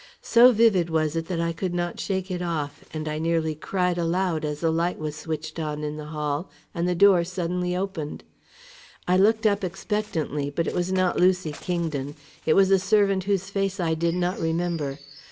So vivid was it that I could not shake it off, and I nearly cried aloud as a light was switched on the hall, and the door suddenly opened. I looked up expectantly but it was not Lucy Kingdon; it was a servant whose face I did not remember.